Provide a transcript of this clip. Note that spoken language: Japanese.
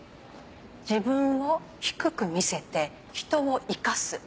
自分を低く見せて人を生かす。